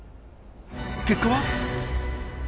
結果は？